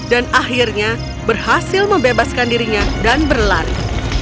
dan akhirnya berhasil membebaskan dirinya dan berlari